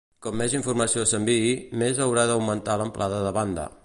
Com més informació s'enviï, més haurà d'augmentar l'amplada de banda.